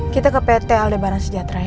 kita ke pt aldebaran sejahtera ya